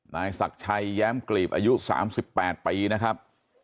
นายศักดิ์ชัยแย้มกลีบอายุ๓๘ปีนะครับ